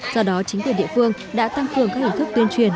do đó chính quyền địa phương đã tăng cường các hình thức tuyên truyền